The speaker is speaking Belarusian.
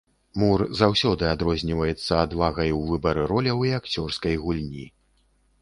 Мур заўсёды адрозніваецца адвагай у выбары роляў і акцёрскай гульні.